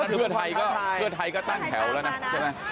อันนั้นเพื่อไทยก็ตั้งแถวแล้วนะใช่ไหม